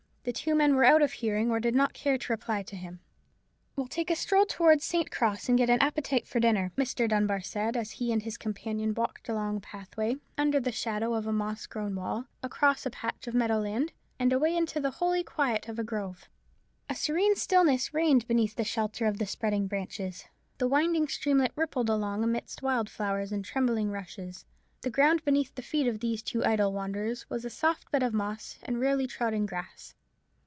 The two men were out of hearing, or did not care to reply to him. "We'll take a stroll towards St. Cross, and get an appetite for dinner," Mr. Dunbar said, as he and his companion walked along a pathway, under the shadow of a moss grown wall, across a patch of meadow land, and away into the holy quiet of a grove. A serene stillness reigned beneath the shelter of the spreading branches. The winding streamlet rippled along amidst wild flowers and trembling rushes; the ground beneath the feet of these two idle wanderers was a soft bed of moss and rarely trodden grass.